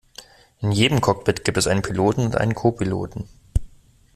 In jedem Cockpit gibt es einen Piloten und einen Co-Piloten